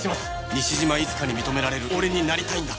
西島いつかに認められる俺になりたいんだ